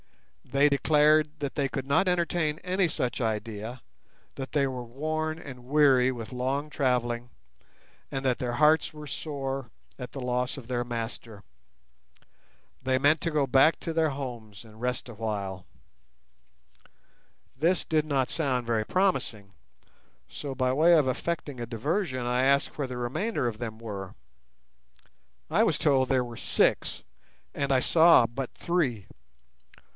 They declared that they could not entertain any such idea, that they were worn and weary with long travelling, and that their hearts were sore at the loss of their master. They meant to go back to their homes and rest awhile. This did not sound very promising, so by way of effecting a diversion I asked where the remainder of them were. I was told there were six, and I saw but three.